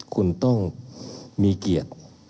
คุณต้องมีเกียรติ